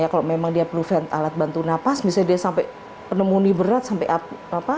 kalau memang dia perlu alat bantu nafas misalnya dia sampai penemuni berat sampai api